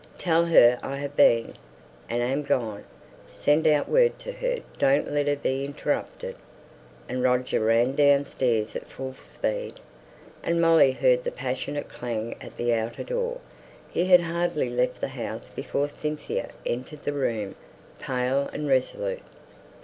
"Tell her I have been, and am gone. Send out word to her. Don't let her be interrupted." And Roger ran downstairs at full speed, and Molly heard the passionate clang of the outer door. He had hardly left the house before Cynthia entered the room, pale and resolute.